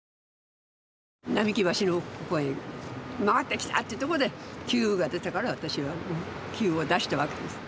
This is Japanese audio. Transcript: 並木橋のとこへ回ってきたというとこでキューが出たから私はキューを出したわけです。